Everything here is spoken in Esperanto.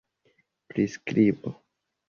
priskribo